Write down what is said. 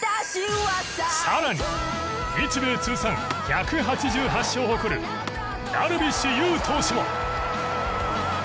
更に日米通算１８８勝を誇るダルビッシュ有投手も。